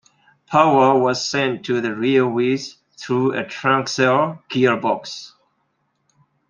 Power was sent to the rear wheels through a transaxle gearbox.